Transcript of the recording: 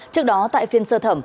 trước đó tại phiên sơ thẩm